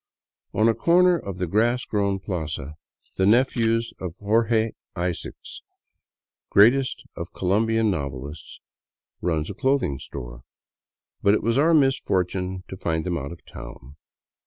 On a corner of the grass grown plaza the nephews of Jorge Isaacs, greatest of Colombian novelists, run a clothing store. But it was our misfortune to find them out of town.